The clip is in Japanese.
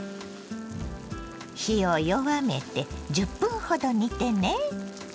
火を弱めて１０分ほど煮てね。